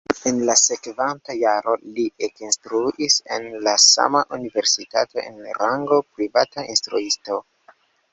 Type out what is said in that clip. En la sekvanta jaro li ekinstruis en la sama universitato en rango privata instruisto.